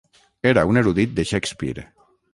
Era un erudit de Shakespeare.